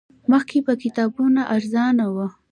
مخکې به کتابونه ارزان وو